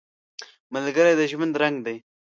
ملګری د ژوند رنګ دی